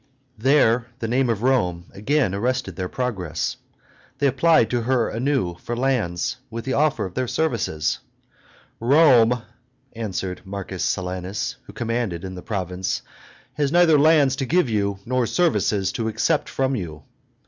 There the name of Rome again arrested their progress; they applied to her anew for lands, with the offer of their services. "Rome," answered M. Silanus, who commanded in the province, "has neither lands to give you nor services to accept from you."